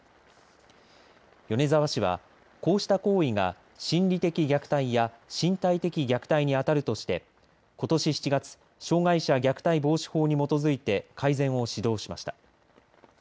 米沢市はこうした行為が心理的虐待や身体的虐待に当たるとしてことし７月障害者虐待防止法に基づいて改善を指導しました。